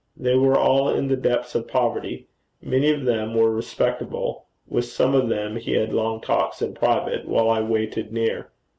They were all in the depths of poverty. Many of them were respectable. With some of them he had long talks in private, while I waited near.